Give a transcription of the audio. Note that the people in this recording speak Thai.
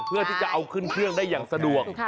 เพื่อที่จะเอาขึ้นเครื่องได้อย่างสะดวก